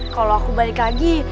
kalau aku balik lagi